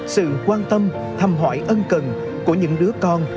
sự quan tâm thăm hỏi ân cần của những đứa con